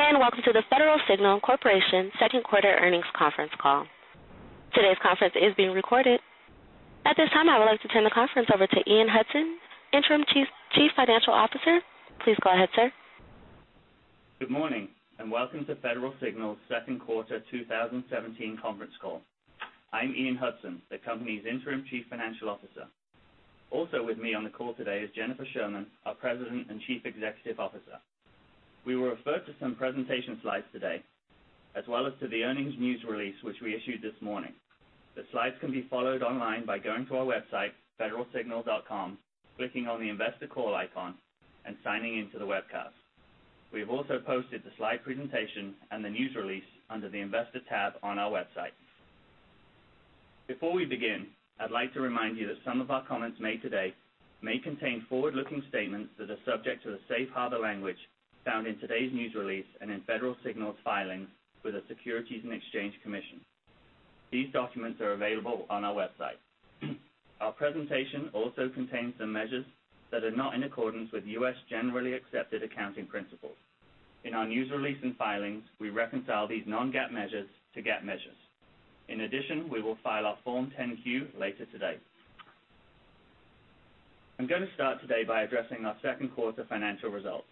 Good day, welcome to the Federal Signal Corporation second quarter earnings conference call. Today's conference is being recorded. At this time, I would like to turn the conference over to Ian Hudson, Interim Chief Financial Officer. Please go ahead, sir. Good morning, welcome to Federal Signal's second quarter 2017 conference call. I'm Ian Hudson, the company's interim chief financial officer. Also with me on the call today is Jennifer Sherman, our president and chief executive officer. We will refer to some presentation slides today, as well as to the earnings news release, which we issued this morning. The slides can be followed online by going to our website, federalsignal.com, clicking on the investor call icon, and signing in to the webcast. We have also posted the slide presentation and the news release under the investor tab on our website. Before we begin, I'd like to remind you that some of our comments made today may contain forward-looking statements that are subject to the safe harbor language found in today's news release and in Federal Signal's filings with the Securities and Exchange Commission. These documents are available on our website. Our presentation also contains some measures that are not in accordance with U.S. generally accepted accounting principles. In our news release and filings, we reconcile these non-GAAP measures to GAAP measures. In addition, we will file our Form 10-Q later today. I'm going to start today by addressing our second quarter financial results.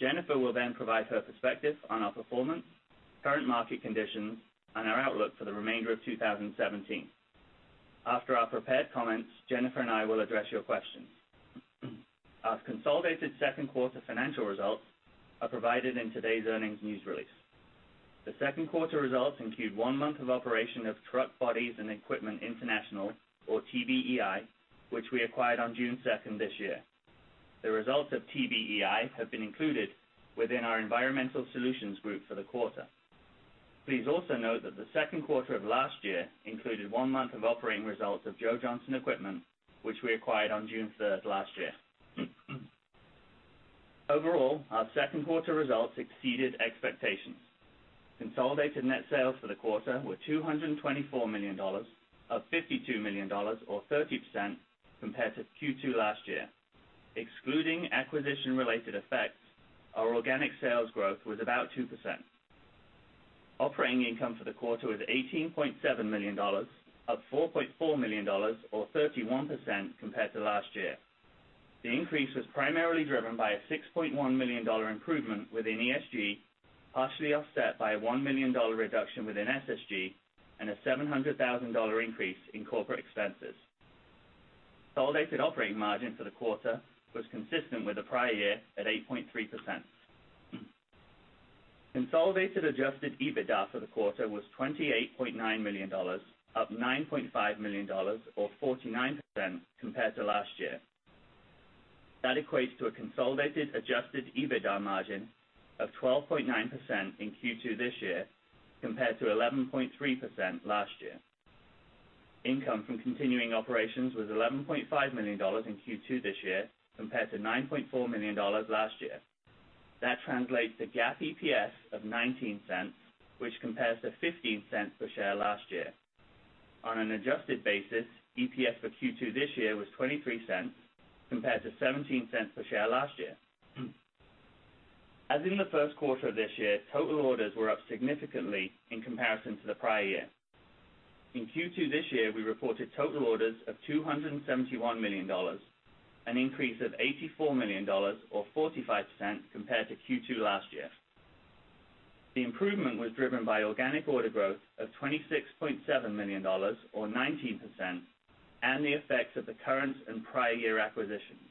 Jennifer will then provide her perspective on our performance, current market conditions, and our outlook for the remainder of 2017. After our prepared comments, Jennifer and I will address your questions. Our consolidated second quarter financial results are provided in today's earnings news release. The second quarter results include one month of operation of Truck Bodies and Equipment International, or TBEI, which we acquired on June 2nd this year. The results of TBEI have been included within our Environmental Solutions Group for the quarter. Please also note that the second quarter of last year included one month of operating results of Joe Johnson Equipment, which we acquired on June 3rd last year. Overall, our second quarter results exceeded expectations. Consolidated net sales for the quarter were $224 million, up $52 million or 30% compared to Q2 last year. Excluding acquisition-related effects, our organic sales growth was about 2%. Operating income for the quarter was $18.7 million, up $4.4 million or 31% compared to last year. The increase was primarily driven by a $6.1 million improvement within ESG, partially offset by a $1 million reduction within SSG and a $700,000 increase in corporate expenses. Consolidated operating margin for the quarter was consistent with the prior year at 8.3%. Consolidated adjusted EBITDA for the quarter was $28.9 million, up $9.5 million or 49% compared to last year. That equates to a consolidated adjusted EBITDA margin of 12.9% in Q2 this year compared to 11.3% last year. Income from continuing operations was $11.5 million in Q2 this year, compared to $9.4 million last year. That translates to GAAP EPS of $0.19, which compares to $0.15 per share last year. On an adjusted basis, EPS for Q2 this year was $0.23, compared to $0.17 per share last year. As in the first quarter of this year, total orders were up significantly in comparison to the prior year. In Q2 this year, we reported total orders of $271 million, an increase of $84 million or 45% compared to Q2 last year. The improvement was driven by organic order growth of $26.7 million or 19%, and the effects of the current and prior year acquisitions.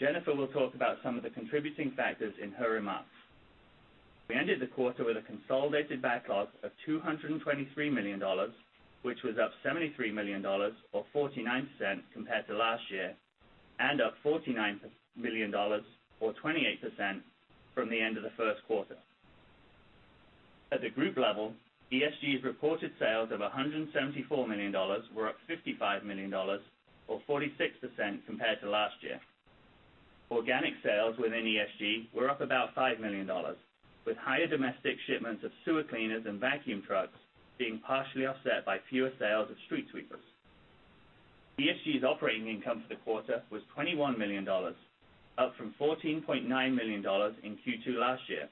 Jennifer will talk about some of the contributing factors in her remarks. We ended the quarter with a consolidated backlog of $223 million, which was up $73 million or 49% compared to last year, and up $49 million or 28% from the end of the first quarter. At the group level, ESG's reported sales of $174 million were up $55 million or 46% compared to last year. Organic sales within ESG were up about $5 million, with higher domestic shipments of sewer cleaners and vacuum trucks being partially offset by fewer sales of street sweepers. ESG's operating income for the quarter was $21 million, up from $14.9 million in Q2 last year,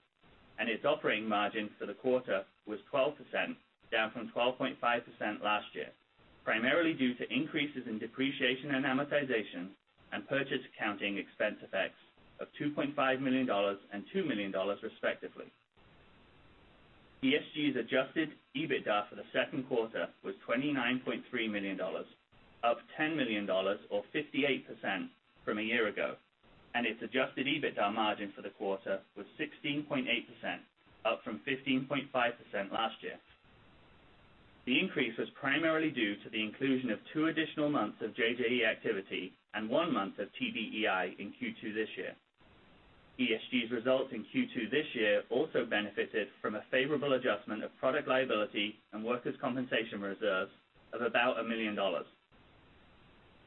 and its operating margin for the quarter was 12%, down from 12.5% last year, primarily due to increases in depreciation and amortization and purchase accounting expense effects of $2.5 million and $2 million, respectively. ESG's adjusted EBITDA for the second quarter was $29.3 million, up $10 million or 58% from a year ago, and its adjusted EBITDA margin for the quarter was 16.8%, up from 15.5% last year. The increase was primarily due to the inclusion of two additional months of JJE activity and one month of TBEI in Q2 this year. ESG's results in Q2 this year also benefited from a favorable adjustment of product liability and workers' compensation reserves of about $1 million.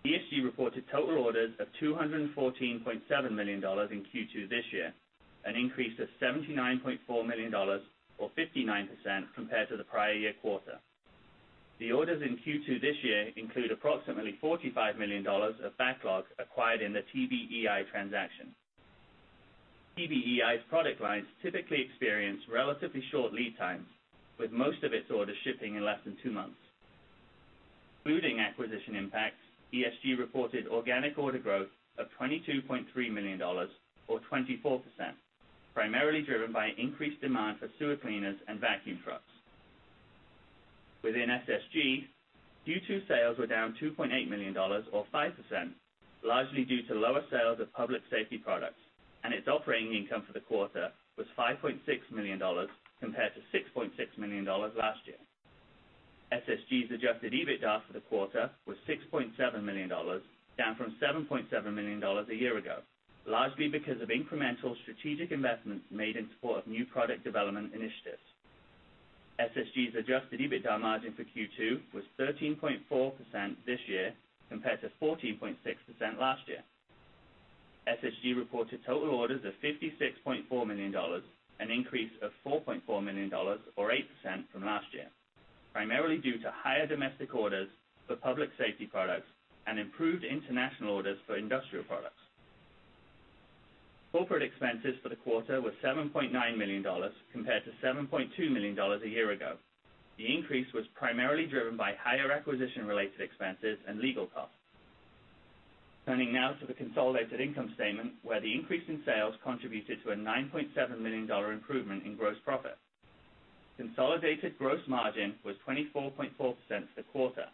ESG reported total orders of $214.7 million in Q2 this year, an increase of $79.4 million or 59% compared to the prior year quarter. The orders in Q2 this year include approximately $45 million of backlog acquired in the TBEI transaction. TBEI's product lines typically experience relatively short lead times, with most of its orders shipping in less than two months. Including acquisition impacts, ESG reported organic order growth of $22.3 million or 24%, primarily driven by increased demand for sewer cleaners and vacuum trucks. Within SSG, Q2 sales were down $2.8 million or 5%, largely due to lower sales of public safety products, and its operating income for the quarter was $5.6 million compared to $6.6 million last year. SSG's adjusted EBITDA for the quarter was $6.7 million, down from $7.7 million a year ago, largely because of incremental strategic investments made in support of new product development initiatives. SSG's adjusted EBITDA margin for Q2 was 13.4% this year compared to 14.6% last year. SSG reported total orders of $56.4 million, an increase of $4.4 million or 8% from last year, primarily due to higher domestic orders for public safety products and improved international orders for industrial products. Corporate expenses for the quarter were $7.9 million compared to $7.2 million a year ago. The increase was primarily driven by higher acquisition related expenses and legal costs. Turning now to the consolidated income statement where the increase in sales contributed to a $9.7 million improvement in gross profit. Consolidated gross margin was 24.4% for the quarter,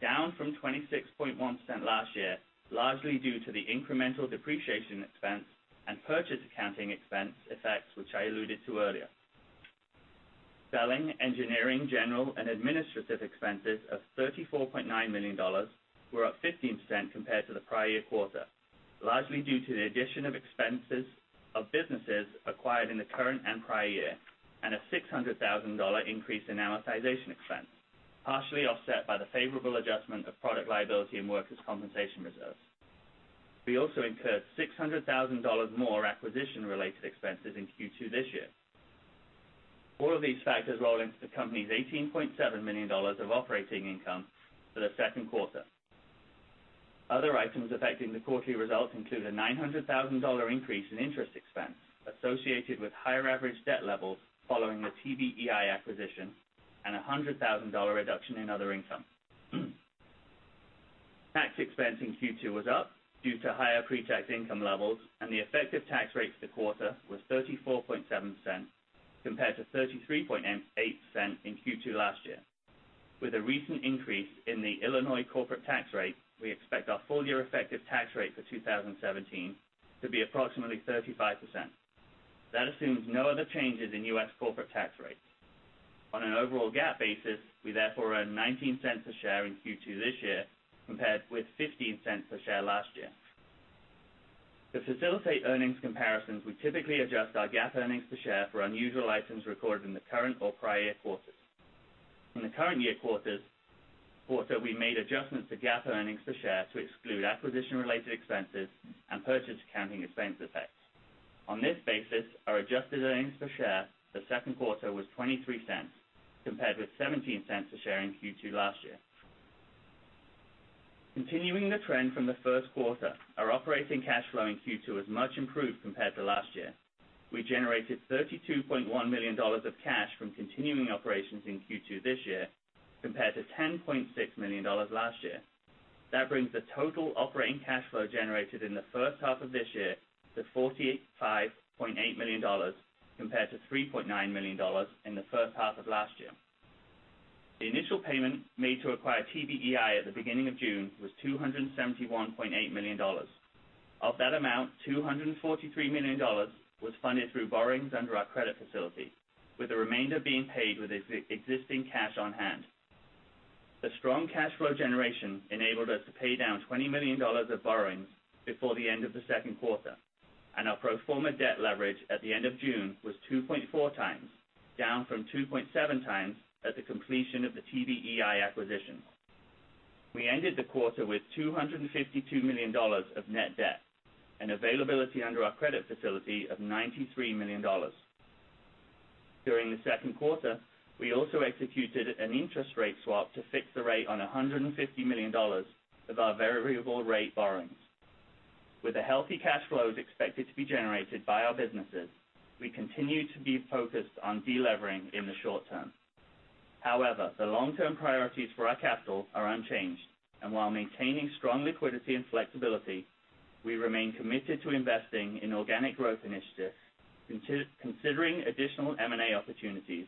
down from 26.1% last year, largely due to the incremental depreciation expense and purchase accounting expense effects which I alluded to earlier. Selling, engineering, general and administrative expenses of $34.9 million were up 15% compared to the prior year quarter, largely due to the addition of expenses of businesses acquired in the current and prior year and a $600,000 increase in amortization expense, partially offset by the favorable adjustment of product liability and workers' compensation reserves. We also incurred $600,000 more acquisition related expenses in Q2 this year. All of these factors roll into the company's $18.7 million of operating income for the second quarter. Other items affecting the quarterly results include a $900,000 increase in interest expense associated with higher average debt levels following the TBEI acquisition and a $100,000 reduction in other income. Tax expense in Q2 was up due to higher pre-tax income levels and the effective tax rate for the quarter was 34.7% compared to 33.8% in Q2 last year. With a recent increase in the Illinois corporate tax rate, we expect our full year effective tax rate for 2017 to be approximately 35%. That assumes no other changes in U.S. corporate tax rates. On an overall GAAP basis, we therefore earn $0.19 a share in Q2 this year compared with $0.15 a share last year. To facilitate earnings comparisons, we typically adjust our GAAP earnings per share for unusual items recorded in the current or prior year quarters. In the current year quarter we made adjustments to GAAP earnings per share to exclude acquisition related expenses and purchase accounting expense effects. On this basis, our adjusted earnings per share for the second quarter was $0.23 compared with $0.17 a share in Q2 last year. Continuing the trend from the first quarter, our operating cash flow in Q2 is much improved compared to last year. We generated $32.1 million of cash from continuing operations in Q2 this year compared to $10.6 million last year. That brings the total operating cash flow generated in the first half of this year to $45.8 million compared to $3.9 million in the first half of last year. The initial payment made to acquire TBEI at the beginning of June was $271.8 million. Of that amount, $243 million was funded through borrowings under our credit facility, with the remainder being paid with existing cash on hand. The strong cash flow generation enabled us to pay down $20 million of borrowings before the end of the second quarter, and our pro forma debt leverage at the end of June was 2.4 times, down from 2.7 times at the completion of the TBEI acquisition. We ended the quarter with $252 million of net debt and availability under our credit facility of $93 million. During the second quarter, we also executed an interest rate swap to fix the rate on $150 million of our variable rate borrowings. With the healthy cash flows expected to be generated by our businesses, we continue to be focused on de-levering in the short term. the long-term priorities for our capital are unchanged, and while maintaining strong liquidity and flexibility, we remain committed to investing in organic growth initiatives, considering additional M&A opportunities,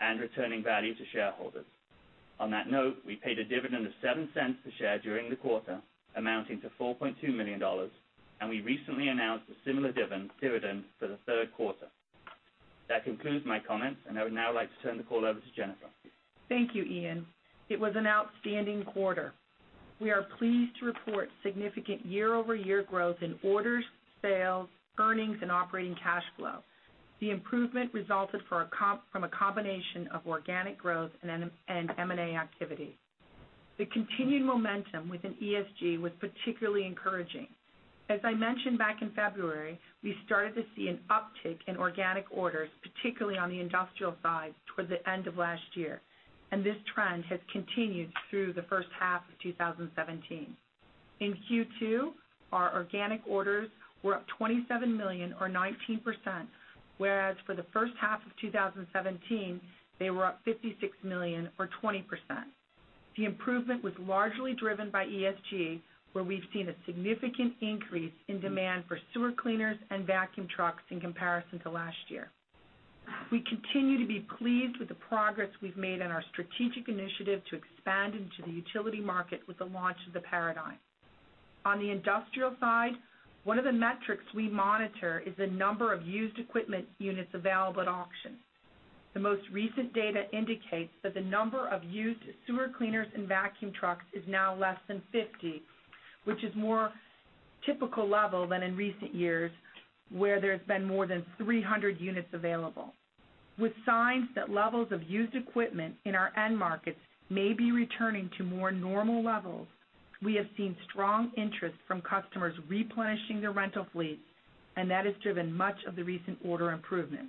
and returning value to shareholders. On that note, we paid a dividend of $0.07 a share during the quarter, amounting to $4.2 million, and we recently announced a similar dividend for the third quarter. That concludes my comments, and I would now like to turn the call over to Jennifer. Thank you, Ian. It was an outstanding quarter. We are pleased to report significant year-over-year growth in orders, sales, earnings, and operating cash flow. The improvement resulted from a combination of organic growth and M&A activity. The continued momentum within ESG was particularly encouraging. As I mentioned back in February, we started to see an uptick in organic orders, particularly on the industrial side toward the end of last year, and this trend has continued through the first half of 2017. In Q2, our organic orders were up $27 million or 19%, whereas for the first half of 2017, they were up $56 million or 20%. The improvement was largely driven by ESG, where we've seen a significant increase in demand for sewer cleaners and vacuum trucks in comparison to last year. We continue to be pleased with the progress we've made on our strategic initiative to expand into the utility market with the launch of the Paradigm. On the industrial side, one of the metrics we monitor is the number of used equipment units available at auction. The most recent data indicates that the number of used sewer cleaners and vacuum trucks is now less than 50, which is more typical level than in recent years where there's been more than 300 units available. With signs that levels of used equipment in our end markets may be returning to more normal levels, we have seen strong interest from customers replenishing their rental fleets, and that has driven much of the recent order improvement.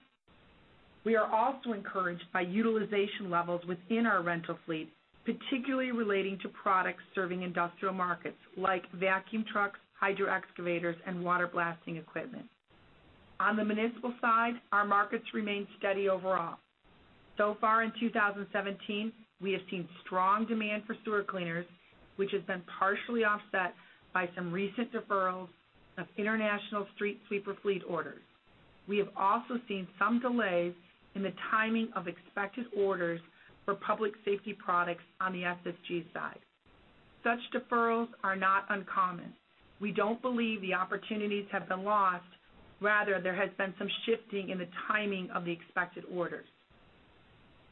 We are also encouraged by utilization levels within our rental fleet, particularly relating to products serving industrial markets like vacuum trucks, hydro excavators, and water blasting equipment. On the municipal side, our markets remain steady overall. So far in 2017, we have seen strong demand for sewer cleaners, which has been partially offset by some recent deferrals of international street sweeper fleet orders. We have also seen some delays in the timing of expected orders for public safety products on the SSG side. Such deferrals are not uncommon. We don't believe the opportunities have been lost, rather there has been some shifting in the timing of the expected orders.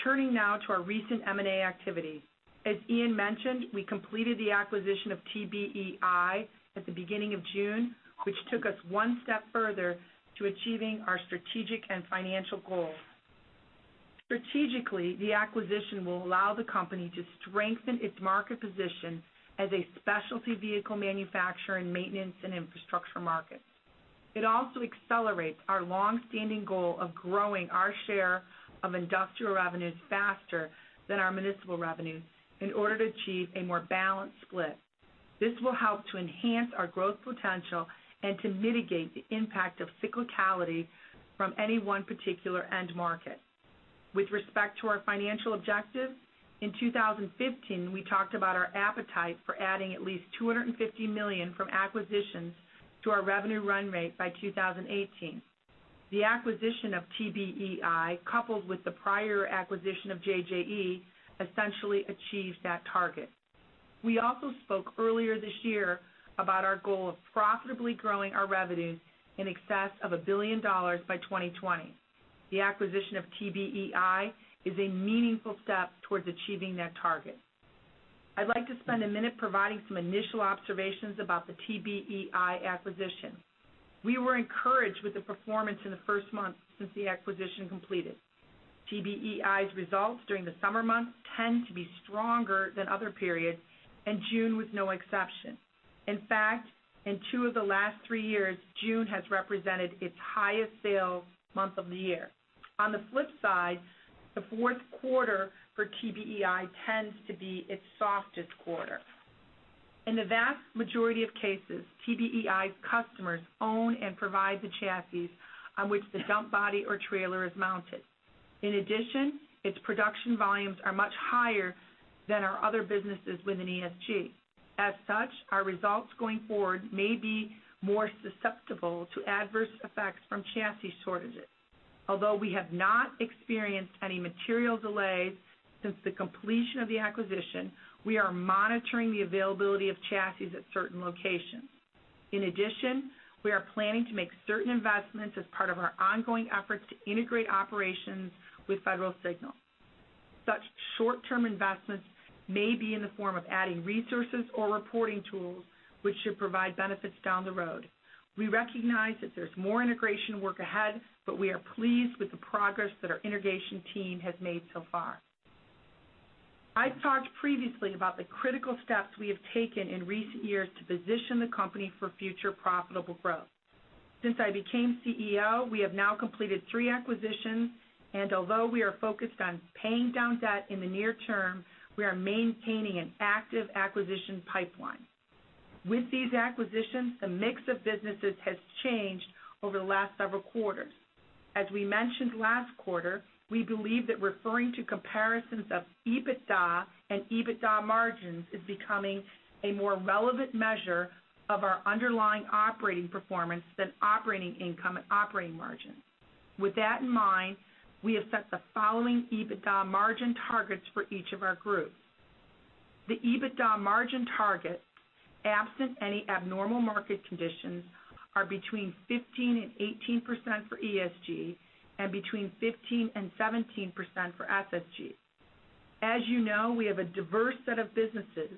Turning now to our recent M&A activity. As Ian mentioned, we completed the acquisition of TBEI at the beginning of June, which took us one step further to achieving our strategic and financial goals. Strategically, the acquisition will allow the company to strengthen its market position as a specialty vehicle manufacturer in maintenance and infrastructure markets. It also accelerates our longstanding goal of growing our share of industrial revenues faster than our municipal revenues in order to achieve a more balanced split. This will help to enhance our growth potential and to mitigate the impact of cyclicality from any one particular end market. With respect to our financial objectives, in 2015, we talked about our appetite for adding at least $250 million from acquisitions to our revenue run rate by 2018. The acquisition of TBEI, coupled with the prior acquisition of JJE, essentially achieves that target. We also spoke earlier this year about our goal of profitably growing our revenues in excess of $1 billion by 2020. The acquisition of TBEI is a meaningful step towards achieving that target. I'd like to spend a minute providing some initial observations about the TBEI acquisition. We were encouraged with the performance in the first month since the acquisition completed. TBEI's results during the summer months tend to be stronger than other periods, and June was no exception. In fact, in two of the last three years, June has represented its highest sales month of the year. On the flip side, the fourth quarter for TBEI tends to be its softest quarter. In the vast majority of cases, TBEI's customers own and provide the chassis on which the dump body or trailer is mounted. In addition, its production volumes are much higher than our other businesses within ESG. As such, our results going forward may be more susceptible to adverse effects from chassis shortages. Although we have not experienced any material delays since the completion of the acquisition, we are monitoring the availability of chassis at certain locations. In addition, we are planning to make certain investments as part of our ongoing efforts to integrate operations with Federal Signal. Such short-term investments may be in the form of adding resources or reporting tools, which should provide benefits down the road. We recognize that there's more integration work ahead, but we are pleased with the progress that our integration team has made so far. I've talked previously about the critical steps we have taken in recent years to position the company for future profitable growth. Since I became CEO, we have now completed three acquisitions, and although we are focused on paying down debt in the near term, we are maintaining an active acquisition pipeline. With these acquisitions, the mix of businesses has changed over the last several quarters. As we mentioned last quarter, we believe that referring to comparisons of EBITDA and EBITDA margins is becoming a more relevant measure of our underlying operating performance than operating income and operating margin. With that in mind, we have set the following EBITDA margin targets for each of our groups. The EBITDA margin targets, absent any abnormal market conditions, are between 15%-18% for ESG and between 15%-17% for SSG. As you know, we have a diverse set of businesses,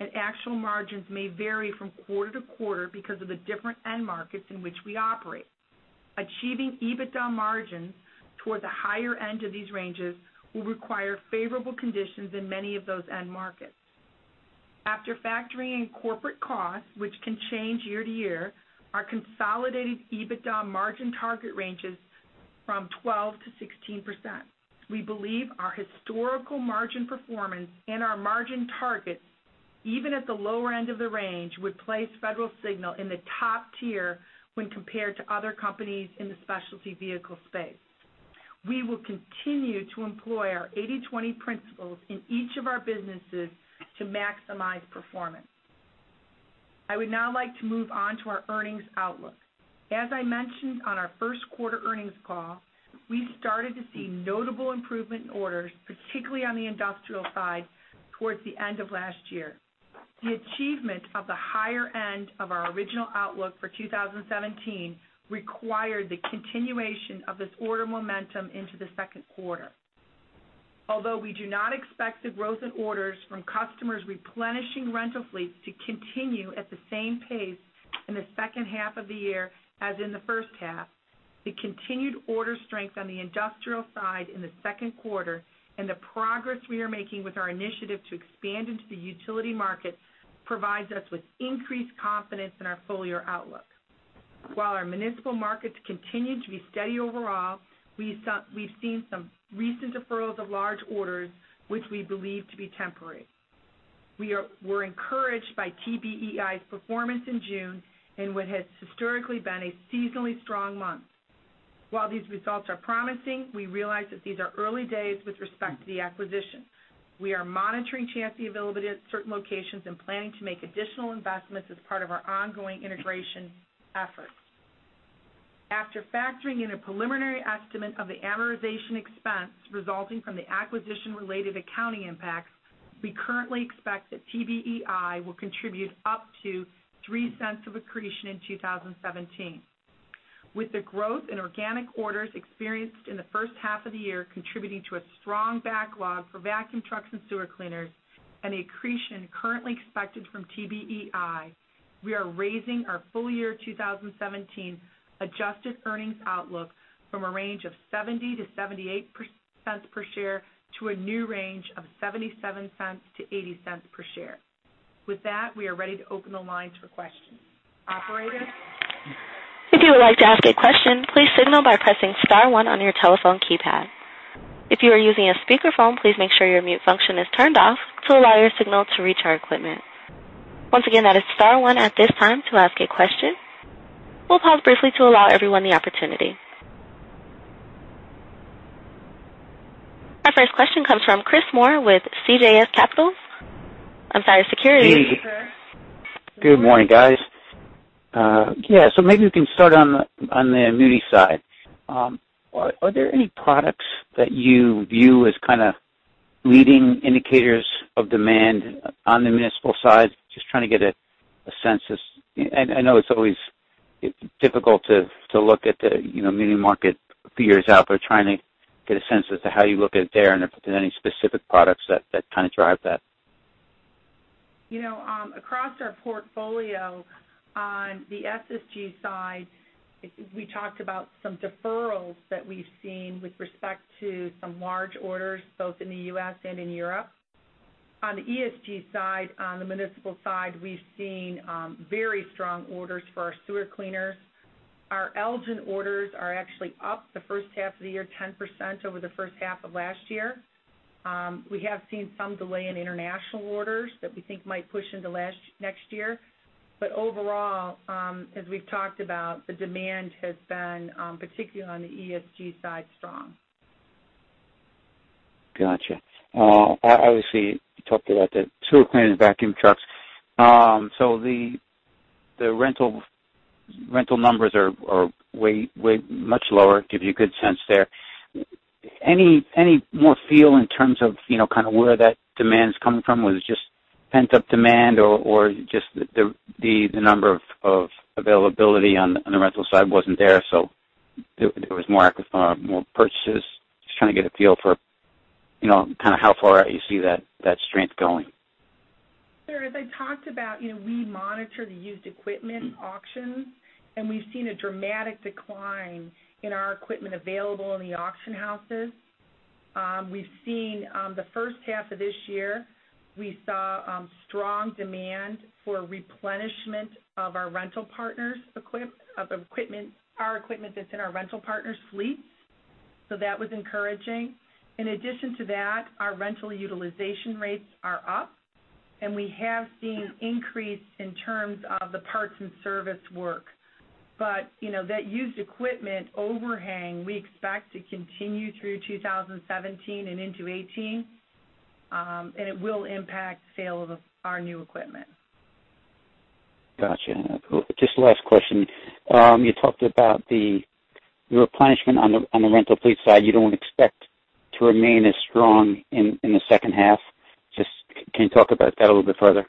and actual margins may vary from quarter to quarter because of the different end markets in which we operate. Achieving EBITDA margins towards the higher end of these ranges will require favorable conditions in many of those end markets. After factoring in corporate costs, which can change year-to-year, our consolidated EBITDA margin target ranges from 12%-16%. We believe our historical margin performance and our margin targets, even at the lower end of the range, would place Federal Signal in the top tier when compared to other companies in the specialty vehicle space. We will continue to employ our 80/20 principles in each of our businesses to maximize performance. I would now like to move on to our earnings outlook. As I mentioned on our first quarter earnings call, we started to see notable improvement in orders, particularly on the industrial side, towards the end of last year. The achievement of the higher end of our original outlook for 2017 required the continuation of this order momentum into the second quarter. Although we do not expect the growth in orders from customers replenishing rental fleets to continue at the same pace in the second half of the year as in the first half, the continued order strength on the industrial side in the second quarter and the progress we are making with our initiative to expand into the utility market provides us with increased confidence in our full-year outlook. While our municipal markets continue to be steady overall, we've seen some recent deferrals of large orders, which we believe to be temporary. We're encouraged by TBEI's performance in June in what has historically been a seasonally strong month. While these results are promising, we realize that these are early days with respect to the acquisition. We are monitoring chassis availability at certain locations and planning to make additional investments as part of our ongoing integration efforts. After factoring in a preliminary estimate of the amortization expense resulting from the acquisition-related accounting impacts, we currently expect that TBEI will contribute up to $0.03 of accretion in 2017. With the growth in organic orders experienced in the first half of the year contributing to a strong backlog for vacuum trucks and sewer cleaners, and the accretion currently expected from TBEI, we are raising our full-year 2017 adjusted earnings outlook from a range of $0.70-$0.78 per share to a new range of $0.77-$0.80 per share. With that, we are ready to open the lines for questions. Operator? If you would like to ask a question, please signal by pressing *1 on your telephone keypad. If you are using a speakerphone, please make sure your mute function is turned off to allow your signal to reach our equipment. Once again, that is *1 at this time to ask a question. We'll pause briefly to allow everyone the opportunity. Our first question comes from Chris Moore with CJS Securities. I'm sorry, Security. Good morning, guys. Yeah. Maybe we can start on the muni side. Are there any products that you view as kind of leading indicators of demand on the municipal side? Just trying to get a sense of I know it's always difficult to look at the muni market figures out there. Trying to get a sense as to how you look at it there, and if there's any specific products that kind of drive that. Across our portfolio on the SSG side, we talked about some deferrals that we've seen with respect to some large orders, both in the U.S. and in Europe. On the ESG side, on the municipal side, we've seen very strong orders for our sewer cleaners. Our Elgin orders are actually up the first half of the year 10% over the first half of last year. We have seen some delay in international orders that we think might push into next year. Overall, as we've talked about, the demand has been, particularly on the ESG side, strong. Got you. Obviously, you talked about the sewer cleaning and vacuum trucks. The rental numbers are way much lower, give you a good sense there. Any more feel in terms of where that demand is coming from? Was it just pent-up demand or just the number of availability on the rental side wasn't there, so there was more purchases? Just trying to get a feel for how far out you see that strength going. Sure. As I talked about, we monitor the used equipment auctions, and we've seen a dramatic decline in our equipment available in the auction houses. We've seen, the first half of this year, we saw strong demand for replenishment of our equipment that's in our rental partners' fleets. That was encouraging. In addition to that, our rental utilization rates are up, and we have seen increase in terms of the parts and service work. That used equipment overhang, we expect to continue through 2017 and into 2018. It will impact sale of our new equipment. Got you. Just last question. You talked about the replenishment on the rental fleet side. You don't expect to remain as strong in the second half. Just, can you talk about that a little bit further?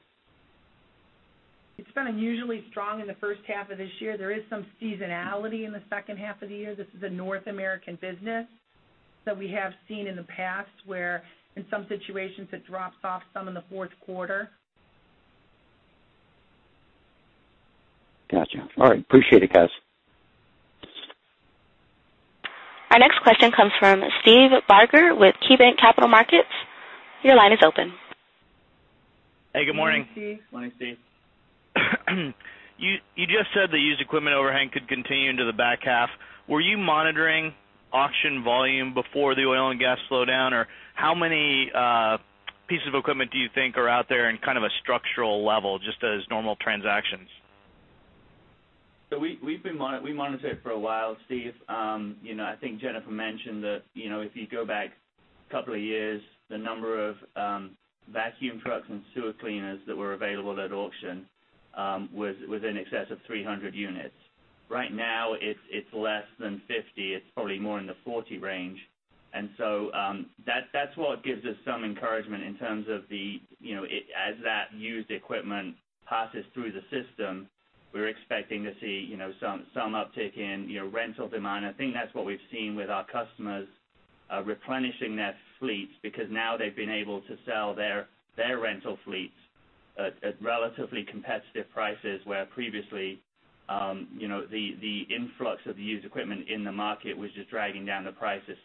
It's been unusually strong in the first half of this year. There is some seasonality in the second half of the year. This is a North American business that we have seen in the past, where in some situations it drops off some in the fourth quarter. Gotcha. All right. Appreciate it, guys. Our next question comes from Steve Barger with KeyBanc Capital Markets. Your line is open. Hey, good morning. Good morning, Steve. You just said the used equipment overhang could continue into the back half. Were you monitoring auction volume before the oil and gas slowdown? How many pieces of equipment do you think are out there in kind of a structural level, just as normal transactions? We monitored it for a while, Steve. I think Jennifer mentioned that if you go back a couple of years, the number of vacuum trucks and sewer cleaners that were available at auction was in excess of 300 units. Right now, it's less than 50. It's probably more in the 40 range. That's what gives us some encouragement in terms of the, as that used equipment passes through the system, we're expecting to see some uptick in rental demand. I think that's what we've seen with our customers replenishing their fleets because now they've been able to sell their rental fleets at relatively competitive prices, where previously the influx of used equipment in the market was just dragging down the prices.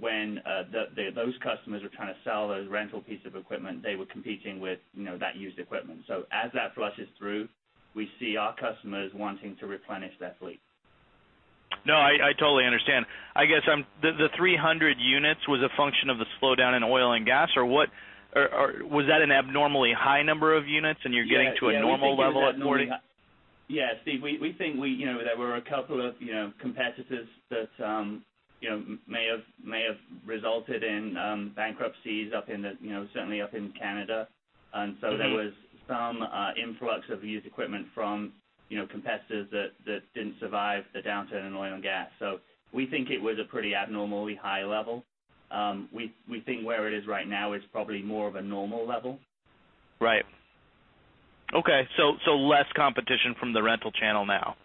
When those customers were trying to sell those rental pieces of equipment, they were competing with that used equipment. As that flushes through, we see our customers wanting to replenish their fleet. No, I totally understand. I guess, the 300 units was a function of the slowdown in oil and gas, or was that an abnormally high number of units and you're getting to a normal level of 40? Yeah, Steve, we think there were a couple of competitors that may have resulted in bankruptcies, certainly up in Canada. There was some influx of used equipment from competitors that didn't survive the downturn in oil and gas. We think it was a pretty abnormally high level. We think where it is right now is probably more of a normal level. Right. Okay. Less competition from the rental channel now.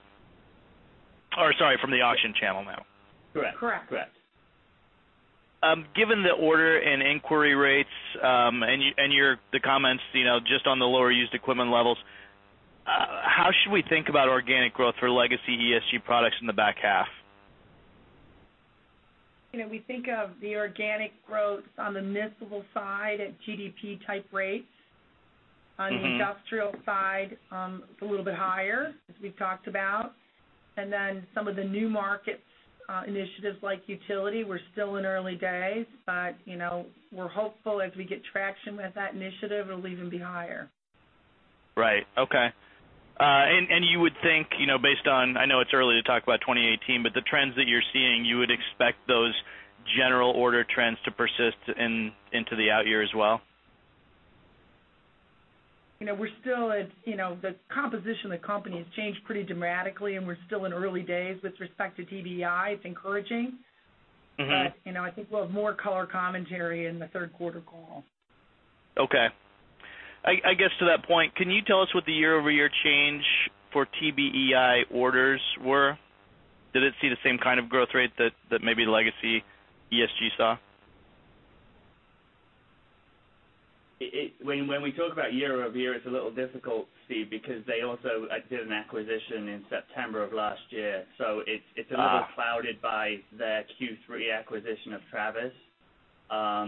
Sorry, from the auction channel now. Correct. Correct. Given the order and inquiry rates, the comments just on the lower used equipment levels, how should we think about organic growth for legacy ESG products in the back half? We think of the organic growth on the municipal side at GDP type rates. On the industrial side, it's a little bit higher, as we've talked about. Some of the new markets initiatives like utility, we're still in early days. We're hopeful as we get traction with that initiative, it'll even be higher. Right. Okay. You would think based on, I know it's early to talk about 2018, but the trends that you're seeing, you would expect those general order trends to persist into the out year as well? The composition of the company has changed pretty dramatically, and we're still in early days with respect to TBEI. It's encouraging. I think we'll have more color commentary in the third quarter call. Okay. I guess to that point, can you tell us what the year-over-year change for TBEI orders were? Did it see the same kind of growth rate that maybe legacy ESG saw? When we talk about year-over-year, it's a little difficult, Steve, because they also did an acquisition in September of last year. a little clouded by their Q3 acquisition of Travis. I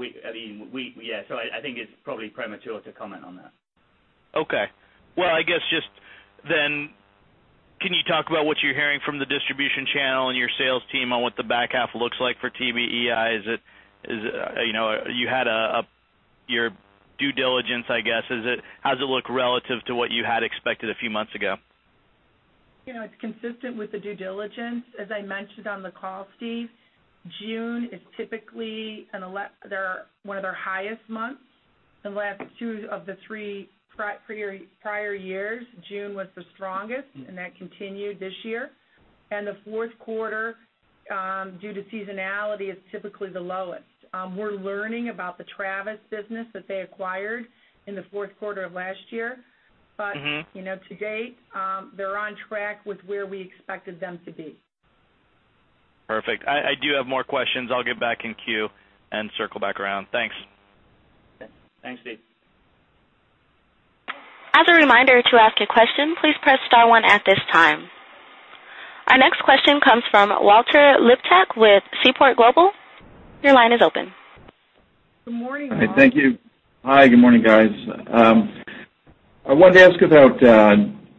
think it's probably premature to comment on that. Okay. Well, I guess just, can you talk about what you're hearing from the distribution channel and your sales team on what the back half looks like for TBEI? You had your due diligence, I guess. How's it look relative to what you had expected a few months ago? It's consistent with the due diligence. As I mentioned on the call, Steve, June is typically one of their highest months. The last two of the three prior years, June was the strongest, and that continued this year. The fourth quarter, due to seasonality, is typically the lowest. We're learning about the Travis business that they acquired in the fourth quarter of last year. To date, they're on track with where we expected them to be. Perfect. I do have more questions. I'll get back in queue and circle back around. Thanks. Okay. Thanks, Steve. As a reminder, to ask a question, please press star one at this time. Our next question comes from Walter Liptak with Seaport Global. Your line is open. Good morning, Walter. Thank you. Hi, good morning, guys. I wanted to ask about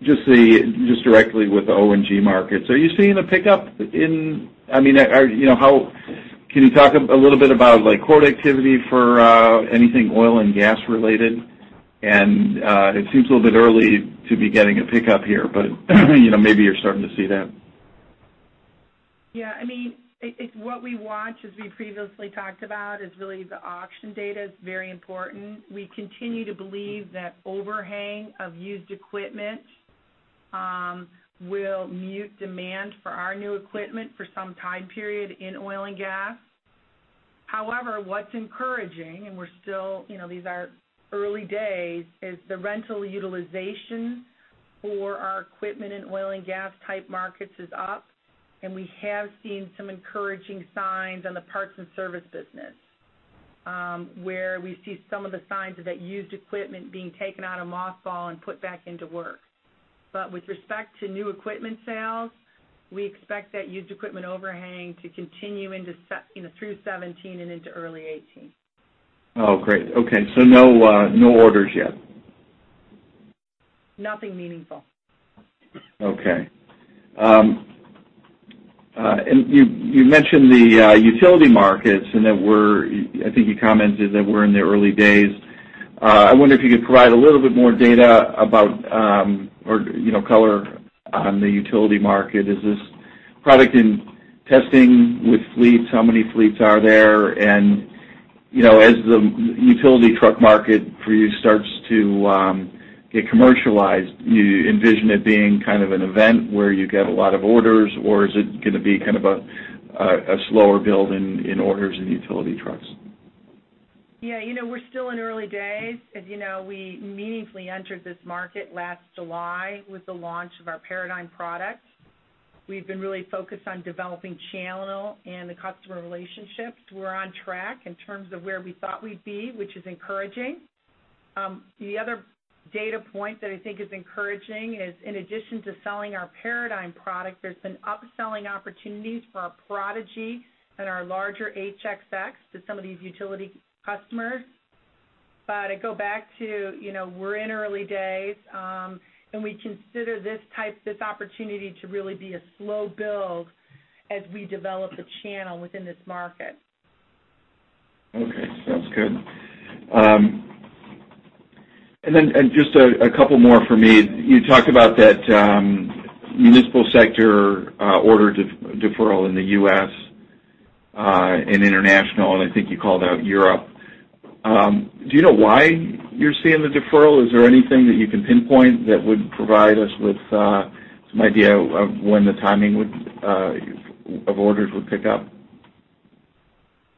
just directly with the O&G markets. Are you seeing a pickup in, can you talk a little bit about quote activity for anything oil and gas related? It seems a little bit early to be getting a pickup here, but maybe you're starting to see that. Yeah. What we watch, as we previously talked about, is really the auction data. It's very important. We continue to believe that overhang of used equipment will mute demand for our new equipment for some time period in oil and gas. However, what's encouraging, and these are early days, is the rental utilization for our equipment in oil and gas type markets is up. We have seen some encouraging signs on the parts and service business, where we see some of the signs of that used equipment being taken out of mothball and put back into work. With respect to new equipment sales, we expect that used equipment overhang to continue through 2017 and into early 2018. Oh, great. Okay, no orders yet? Nothing meaningful. Okay. You mentioned the utility markets and I think you commented that we're in the early days. I wonder if you could provide a little bit more data about, or color on the utility market. Is this product in testing with fleets? How many fleets are there? As the utility truck market for you starts to get commercialized, do you envision it being kind of an event where you get a lot of orders, or is it going to be kind of a slower build in orders in utility trucks? Yeah. We're still in early days. As you know, we meaningfully entered this market last July with the launch of our Paradigm product. We've been really focused on developing channel and the customer relationships. We're on track in terms of where we thought we'd be, which is encouraging. The other data point that I think is encouraging is in addition to selling our Paradigm product, there's been upselling opportunities for our Prodigy and our larger HXX to some of these utility customers. I go back to, we're in early days, and we consider this opportunity to really be a slow build as we develop the channel within this market. Okay. Sounds good. Just a couple more from me. You talked about that municipal sector order deferral in the U.S. and international, and I think you called out Europe. Do you know why you're seeing the deferral? Is there anything that you can pinpoint that would provide us with some idea of when the timing of orders would pick up?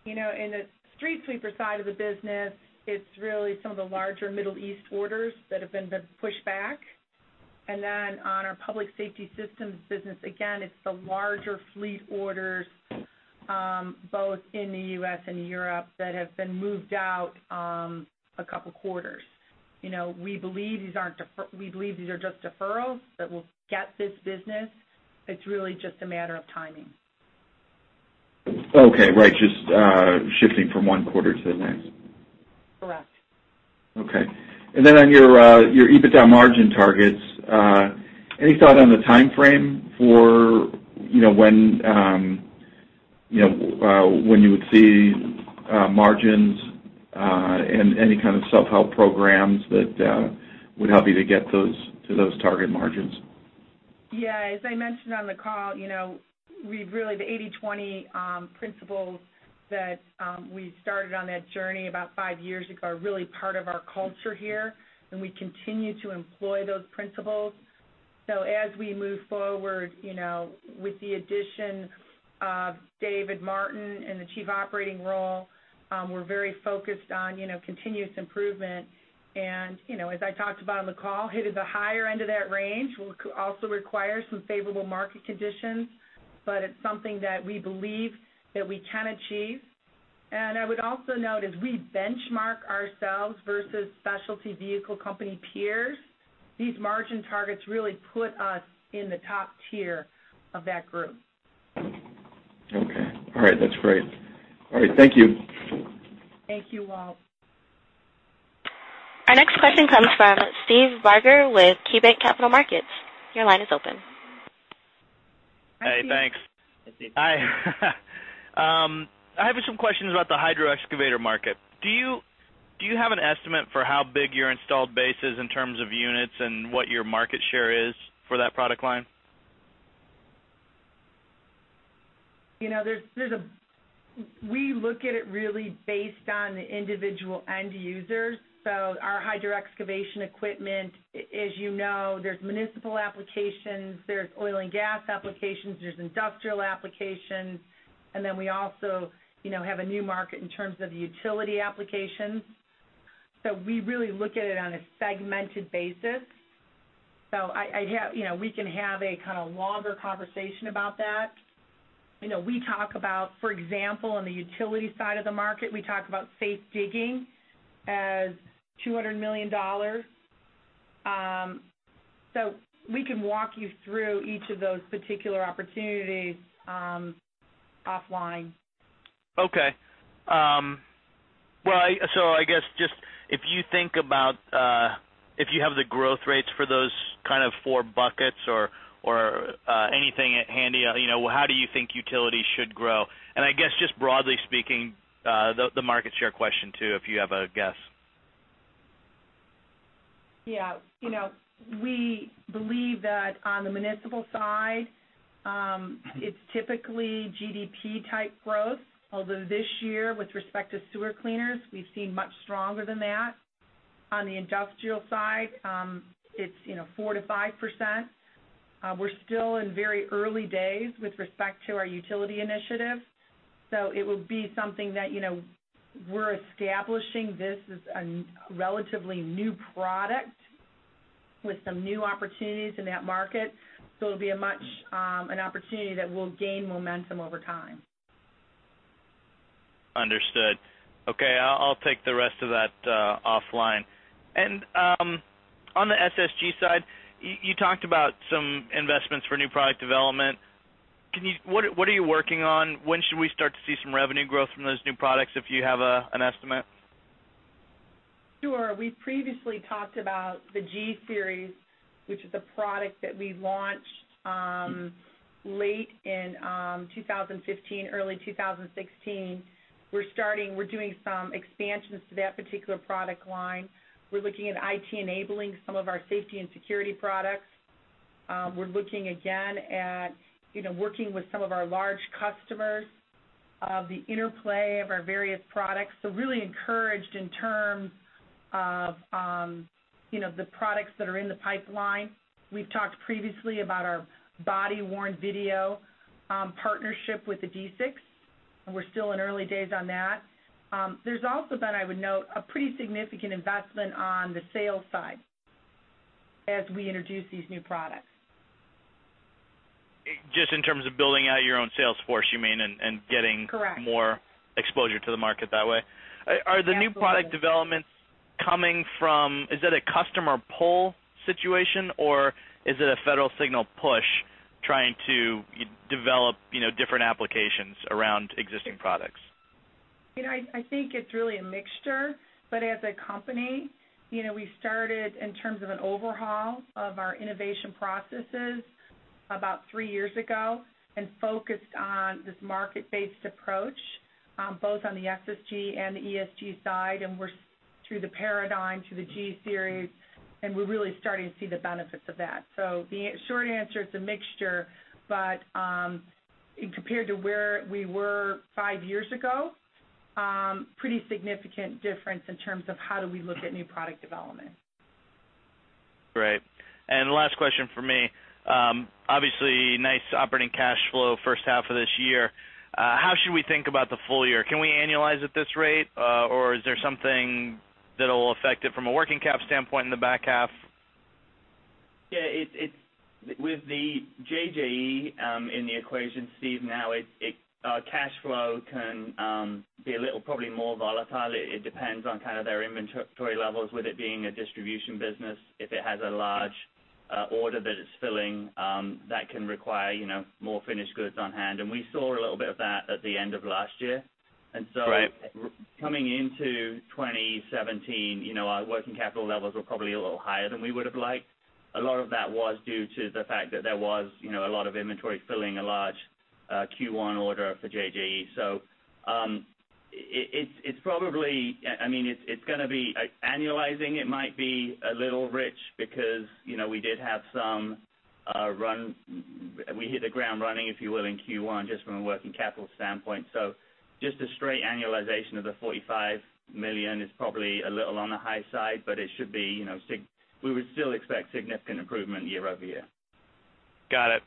In the street sweeper side of the business, it's really some of the larger Middle East orders that have been pushed back. On our public safety systems business, again, it's the larger fleet orders both in the U.S. and Europe that have been moved out a couple of quarters. We believe these are just deferrals, that we'll get this business. It's really just a matter of timing. Okay. Right. Just shifting from one quarter to the next. Correct. Okay. On your EBITDA margin targets, any thought on the timeframe for when you would see margins, and any kind of self-help programs that would help you to get to those target margins? Yeah. As I mentioned on the call, really the 80/20 principles that we started on that journey about five years ago are really part of our culture here, and we continue to employ those principles. As we move forward, with the addition of David Martin in the chief operating role, we're very focused on continuous improvement. As I talked about on the call, hitting the higher end of that range will also require some favorable market conditions, but it's something that we believe that we can achieve. I would also note, as we benchmark ourselves versus specialty vehicle company peers, these margin targets really put us in the top tier of that group. Okay. All right. That's great. All right. Thank you. Thank you, Walt. Our next question comes from Steve Barger with KeyBanc Capital Markets. Your line is open. Hi, Steve. Hey, thanks. Hi, Steve. Hi. I have some questions about the hydro excavator market. Do you have an estimate for how big your installed base is in terms of units and what your market share is for that product line? We look at it really based on the individual end users. Our hydro excavation equipment, as you know, there's municipal applications, there's oil and gas applications, there's industrial applications, and then we also have a new market in terms of utility applications. We really look at it on a segmented basis. We can have a kind of longer conversation about that. We talk about, for example, on the utility side of the market, we talk about safe digging as $200 million. We can walk you through each of those particular opportunities offline. Okay. I guess, just if you think about if you have the growth rates for those kind of four buckets or anything at handy, how do you think utility should grow? I guess just broadly speaking, the market share question too, if you have a guess. Yeah. We believe that on the municipal side, it's typically GDP type growth. Although this year, with respect to sewer cleaners, we've seen much stronger than that. On the industrial side, it's 4%-5%. We're still in very early days with respect to our utility initiative. It will be something that we're establishing. This is a relatively new product with some new opportunities in that market. It'll be an opportunity that will gain momentum over time. Understood. Okay, I'll take the rest of that offline. On the SSG side, you talked about some investments for new product development. What are you working on? When should we start to see some revenue growth from those new products, if you have an estimate? Sure. We previously talked about the G-Series, which is a product that we launched late in 2015, early 2016. We're doing some expansions to that particular product line. We're looking at IT enabling some of our safety and security products. We're looking again at working with some of our large customers, the interplay of our various products. Really encouraged in terms of the products that are in the pipeline. We've talked previously about our body-worn video partnership with the D6, we're still in early days on that. There's also been, I would note, a pretty significant investment on the sales side as we introduce these new products. Just in terms of building out your own sales force, you mean, and getting? Correct more exposure to the market that way? Are the new product developments coming from, is it a customer pull situation, or is it a Federal Signal push, trying to develop different applications around existing products? I think it's really a mixture, but as a company, we started in terms of an overhaul of our innovation processes about three years ago and focused on this market-based approach, both on the SSG and the ESG side, and through the Paradigm to the G-Series, and we're really starting to see the benefits of that. The short answer, it's a mixture, but compared to where we were five years ago, pretty significant difference in terms of how do we look at new product development. Great. Last question from me. Obviously, nice operating cash flow first half of this year. How should we think about the full year? Can we annualize at this rate? Is there something that'll affect it from a working cap standpoint in the back half? With the JJE in the equation, Steve, now cash flow can be a little, probably more volatile. It depends on kind of their inventory levels, with it being a distribution business. If it has a large order that it's filling, that can require more finished goods on hand. We saw a little bit of that at the end of last year. Right. Coming into 2017, our working capital levels were probably a little higher than we would've liked. A lot of that was due to the fact that there was a lot of inventory filling a large Q1 order for JJE. Annualizing it might be a little rich because we hit the ground running, if you will, in Q1 just from a working capital standpoint. Just a straight annualization of the $45 million is probably a little on the high side, but we would still expect significant improvement year-over-year. Got it.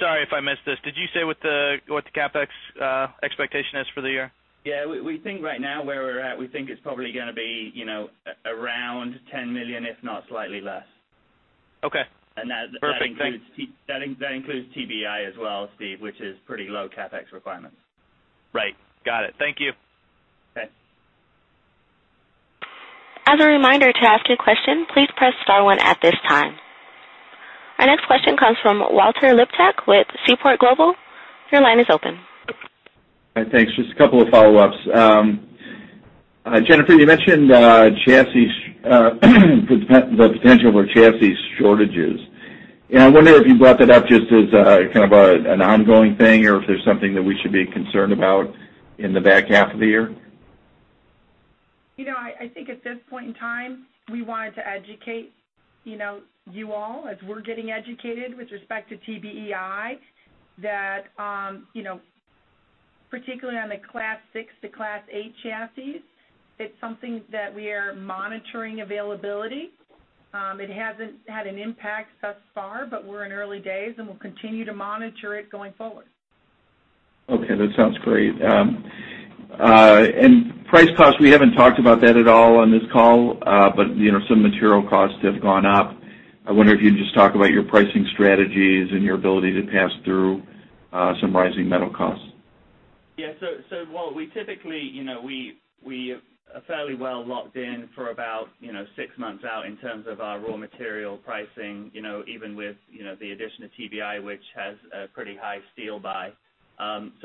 Sorry if I missed this, did you say what the CapEx expectation is for the year? Yeah. We think right now where we're at, we think it's probably going to be around $10 million, if not slightly less. Okay. Perfect. Thanks. That includes TBEI as well, Steve, which is pretty low CapEx requirements. Right. Got it. Thank you. Okay. As a reminder, to ask a question, please press star one at this time. Our next question comes from Walter Liptak with Seaport Global. Your line is open. Thanks. Just a couple of follow-ups. Jennifer, you mentioned the potential for chassis shortages. I wonder if you brought that up just as kind of an ongoing thing or if there's something that we should be concerned about in the back half of the year. I think at this point in time, we wanted to educate you all as we're getting educated with respect to TBEI, that particularly on the class 6 to class 8 chassis, it's something that we are monitoring availability. It hasn't had an impact thus far, but we're in early days, and we'll continue to monitor it going forward. Okay. That sounds great. Price cost, we haven't talked about that at all on this call. Some material costs have gone up. I wonder if you can just talk about your pricing strategies and your ability to pass through some rising metal costs. Yeah. While we typically are fairly well locked in for about six months out in terms of our raw material pricing, even with the addition of TBEI, which has a pretty high steel buy.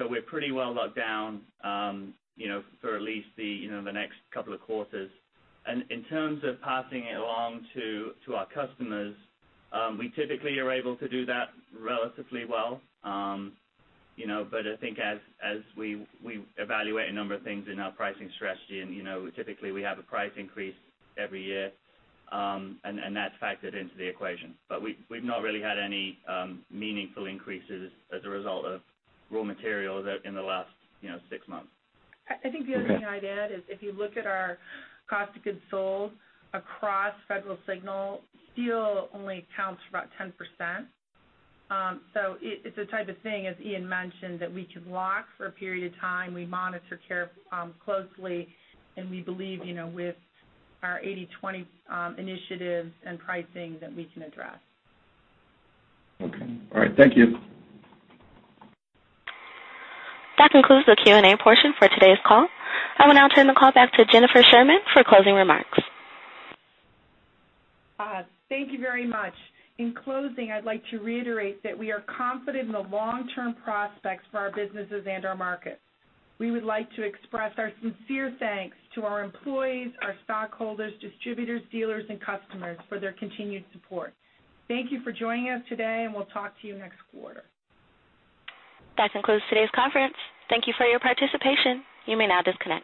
We're pretty well locked down for at least the next couple of quarters. In terms of passing it along to our customers, we typically are able to do that relatively well. I think as we evaluate a number of things in our pricing strategy, and typically we have a price increase every year, and that's factored into the equation. We've not really had any meaningful increases as a result of raw materials in the last six months. I think the other thing I'd add is if you look at our cost of goods sold across Federal Signal, steel only accounts for about 10%. It's the type of thing, as Ian mentioned, that we can lock for a period of time. We monitor closely, and we believe, with our 80/20 initiatives and pricing, that we can address. Okay. All right. Thank you. That concludes the Q&A portion for today's call. I will now turn the call back to Jennifer Sherman for closing remarks. Thank you very much. In closing, I'd like to reiterate that we are confident in the long-term prospects for our businesses and our market. We would like to express our sincere thanks to our employees, our stockholders, distributors, dealers, and customers for their continued support. Thank you for joining us today, and we'll talk to you next quarter. That concludes today's conference. Thank you for your participation. You may now disconnect.